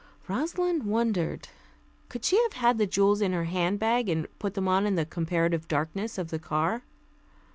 Rosalind wondered. Could she have had the jewels in her hand bag, and put them on in the comparative darkness of the car?